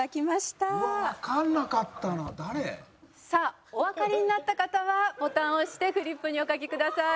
誰？さあおわかりになった方はボタンを押してフリップにお書きください。